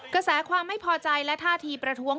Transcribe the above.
กระแสความไม่พอใจและท่าทีประท้วง